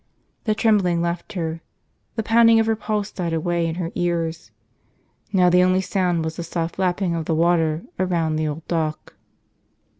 The trembling left her. The pounding of her pulse died away in her ears. Now the only sound was the soft lapping of the water around the old dock.